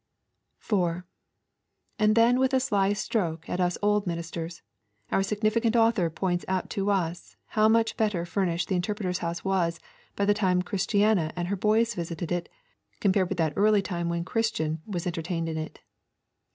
4. And then with a sly stroke at us old ministers, our significant author points out to us how much better furnished the Interpreter's House was by the time Christiana and the boys visited it compared with that early time when Christian was entertained in it.